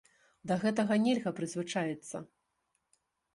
Да гэтага нельга прызвычаіцца.